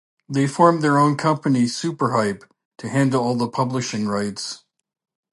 They formed their own company, Superhype, to handle all publishing rights.